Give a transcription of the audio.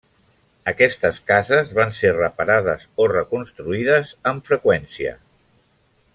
Aquestes cases van ser reparades o reconstruïdes amb freqüència.